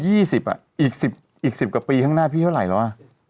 อีก๑๐กว่าปีข้างหน้าพี่เท่าไหร่หรือว่ะ